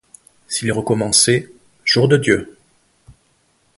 S'il recommençait, jour de Dieu!